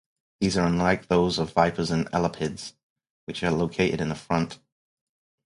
These are unlike those of vipers and elapids, which are located in the front.